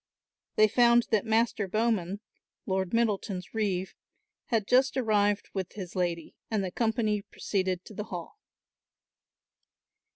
They found that Master Bowman, Lord Middleton's reeve, had just arrived with his lady, and the company proceeded to the hall.